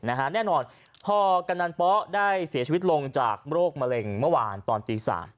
แน่นอนพอกำนันป๊ะได้เสียชีวิตลงจากโรคมะเร็งเมื่อวานตอนตี๓